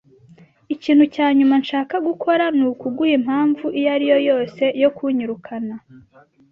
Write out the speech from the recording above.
Ikintu cya nyuma nshaka gukora nukuguha impamvu iyo ari yo yose yo kunyirukana.